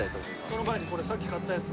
その前にこれさっき買ったやつ。